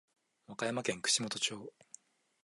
和歌山県串本町